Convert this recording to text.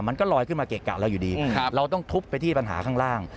มันก็ลอยขึ้นมาเกะกะเราอยู่ดีเราต้องทุบไปที่ปัญหาข้างล่าง